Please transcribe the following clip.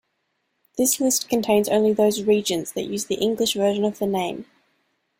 This list contains only those regions that use the English version of the name.